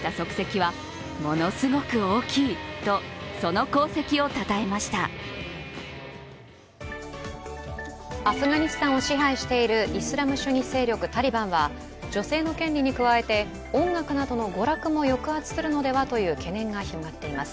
アフガニスタンを支配しているイスラム主義勢力タリバンは女性の権利に加えて、音楽などの娯楽も抑圧するのではとの懸念が広がっています。